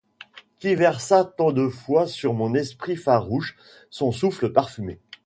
Qui versa tant de fois sur mon esprit farouche Son souffle parfumé !